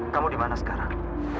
kamu dimana sekarang